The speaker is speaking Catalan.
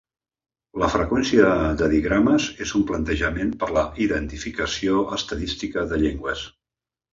La freqüència de digrames és un plantejament per a la identificació estadística de llengües.